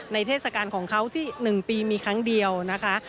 เทศกาลของเขาที่๑ปีมีครั้งเดียวนะคะ